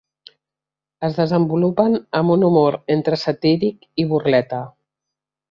Es desenvolupen amb un humor entre satíric i burleta.